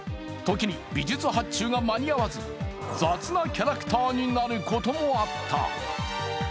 時に美術発注が間に合わず、雑なキャラクターになることもあった。